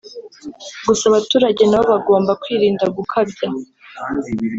gusa abaturage nabo bagomba kwirinda gukabya